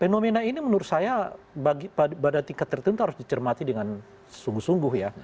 fenomena ini menurut saya pada tingkat tertentu harus dicermati dengan sungguh sungguh ya